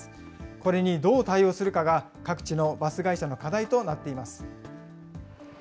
これにどう対応するかが各地のバス会社の課題となっています。